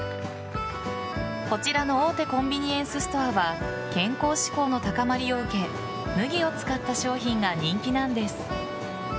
こちらの大手コンビニエンスストアは健康志向の高まりを受け麦を使った商品が人気なんです。